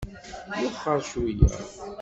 Wexxer cweyya.